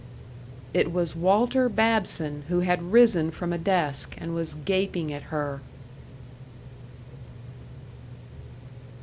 It was Walter Babson who had risen from a desk and was gaping at her.